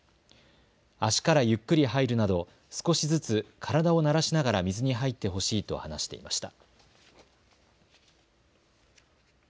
足からゆっくり入るなど少しずつ体を慣らしながら水に入ってほしいと話していました。